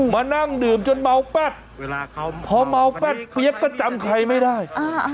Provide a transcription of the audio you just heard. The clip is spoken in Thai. มานั่งดื่มจนเมาแป๊บพอเมาแป๊ดเปี๊ยกก็จำใครไม่ได้